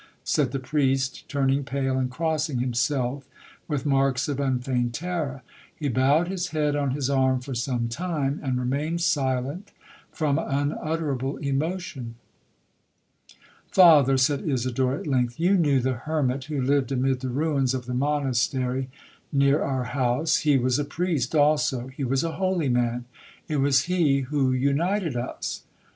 said the priest, turning pale, and crossing himself with marks of unfeigned terror; he bowed his head on his arm for some time, and remained silent from unutterable emotion. 'Father,' said Isidora at length, 'you knew the hermit who lived amid the ruins of the monastery near our house,—he was a priest also,—he was a holy man, it was he who united us!'